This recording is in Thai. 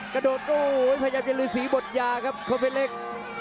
กระโดดโอ้ยพยายามจะลือสีบดยาครับโคมเพชรเล็ก